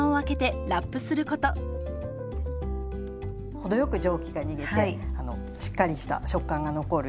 程よく蒸気が逃げてしっかりした食感が残るようになります。